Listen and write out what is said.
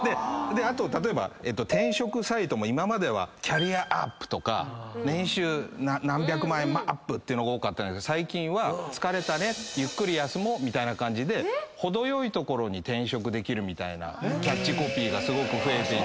あと例えば転職サイトも今まではキャリアＵＰとか年収何百万円ＵＰっていうのが多かったんですけど最近は「疲れたね。ゆっくり休もう」みたいな感じで程よい所に転職できるみたいな。